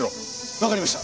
わかりました。